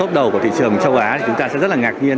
lúc đầu của thị trường châu á thì chúng ta sẽ rất là ngạc nhiên